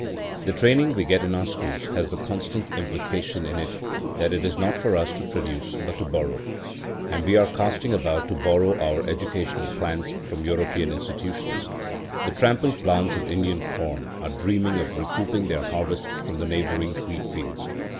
The training we get in our schools has the constant implication in it that it is not for us to produce but to borrow. And we are casting about to borrow our educational plans from European institutions. The trampled plants of Indian corn are dreaming of recouping their harvest from the neighbouring wheat fields.